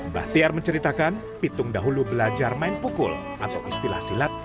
bahtiar menceritakan pitung dahulu belajar main pukul atau istilah silat